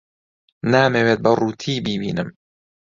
نامەوێت بە ڕووتی بیبینم.